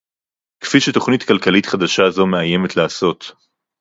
כפי שתוכנית כלכלית חדשה זו מאיימת לעשות